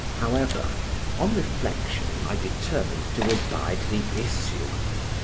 However, on reflection I determined to abide the issue.